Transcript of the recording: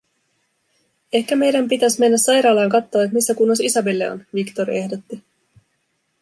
“Ehkä meidän pitäis mennä sairaalaa kattoo, et missä kunnos Isabelle on?”, Victor ehdotti.